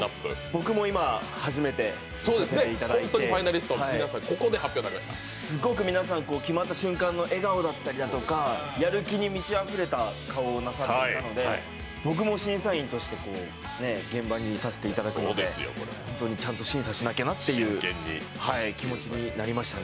僕も今、初めて見させていただいてすごく皆さん、決まった瞬間の笑顔だったりだとかやる気に満ちあふれた顔をなさっていたので僕も審査員として現場にいさせていただくのでちゃんと審査しなきゃなという気持ちになりましたね。